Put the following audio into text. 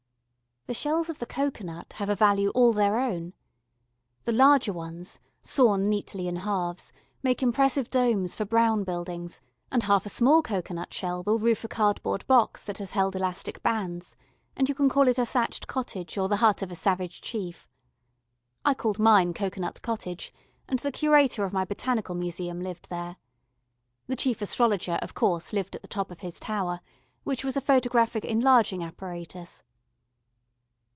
The shells of the cocoanut have a value all their own. The larger ones, sawn neatly in halves, make impressive domes for brown buildings, and half a small cocoanut shell will roof a cardboard box that has held elastic bands, and you can call it a thatched cottage or the hut of a savage chief. I called mine Cocoanut Cottage, and the Curator of my Botanical Museum lived there. The Chief Astrologer, of course, lived at the top of his tower, which was a photographic enlarging apparatus.